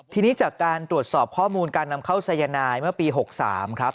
ทีนี้จากการตรวจสอบข้อมูลการนำเข้าสายนายเมื่อปี๖๓ครับ